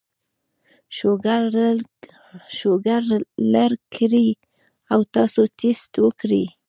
شوګر لر کړي او تاسو ټېسټ وکړئ